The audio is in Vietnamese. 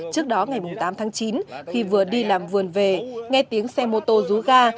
trước đó ngày tám tháng chín khi vừa đi làm vườn về nghe tiếng xe mô tô rú ga